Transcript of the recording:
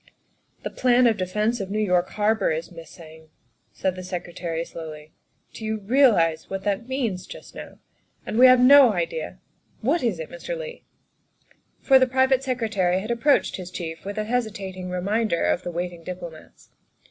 " The plan of defence of New York Harbor is miss ing," said the Secretary slowly. " Do you realize what that means just now? And we have no idea What is it, Mr. Leigh?" THE SECRETARY OF STATE 71 For the private secretary had approached his chief with a hesitating reminder of the waiting diplomats.